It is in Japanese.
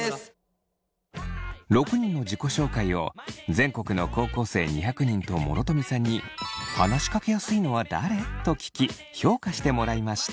６人の自己紹介を全国の高校生２００人と諸富さんに「話しかけやすいのは誰？」と聞き評価してもらいました。